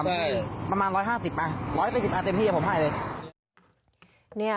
ใช่ประมาณร้อยห้าสิบมาร้อยแปดสิบอ่ะเจ็บพี่ผมให้เลยเนี่ย